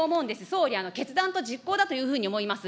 総理、決断と実行だというふうに思います。